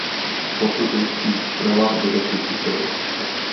Potom ústí zprava do řeky Kišon.